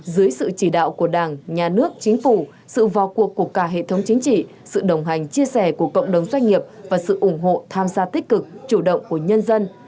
dưới sự chỉ đạo của đảng nhà nước chính phủ sự vào cuộc của cả hệ thống chính trị sự đồng hành chia sẻ của cộng đồng doanh nghiệp và sự ủng hộ tham gia tích cực chủ động của nhân dân